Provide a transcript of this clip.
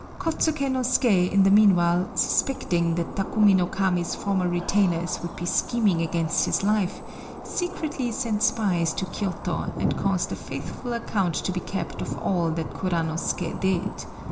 Kôtsuké no Suké, in the meanwhile, suspecting that Takumi no Kami's former retainers would be scheming against his life, secretly sent spies to Kiôto, and caused a faithful account to be kept of all that Kuranosuké did.